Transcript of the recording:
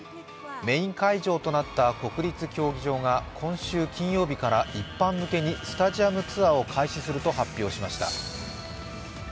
メーン会場となった国立競技場が今週金曜日から一般向けにスタジアムツアーを開始すると発表しました。